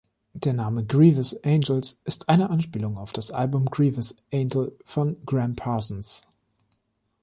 Der Name „Grievous Angels“ ist eine Anspielung auf das Album Grievous Angel von Gram Parsons.